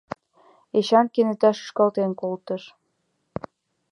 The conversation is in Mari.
Эчан кенета шӱшкалтен колтыш.